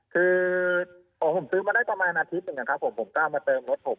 คือของผมซื้อมาได้ประมาณอาทิตย์หนึ่งนะครับผมผมกล้ามาเติมรถผม